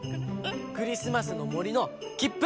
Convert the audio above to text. クリスマスのもりのきっぷ！